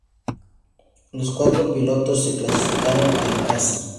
Los cuatro pilotos se clasificaron a la Caza.